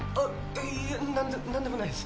いえ何でもないです。